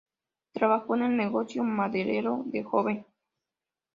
Trabajó en el negocio maderero de joven.